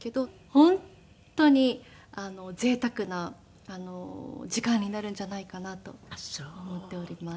本当に贅沢な時間になるんじゃないかなと思っております。